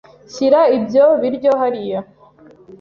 shyira ibyo biryo hariya